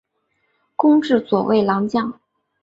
官至左卫郎将。